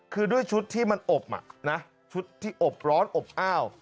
คือด้วยชุดที่มันอบชุดที่อบร้อนอบอ้าว